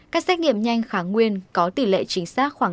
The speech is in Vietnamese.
các xét nghiệm nhanh kháng nguyên có tỷ lệ chính xác khoảng tám mươi một